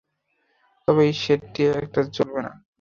তবে এই সেটটি একা জ্বলবে না।